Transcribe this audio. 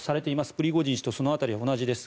プリゴジン氏とその辺りは同じです。